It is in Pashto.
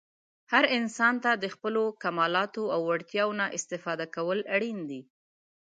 هر انسان ته د خپلو کمالاتو او وړتیاوو نه استفاده کول اړین دي.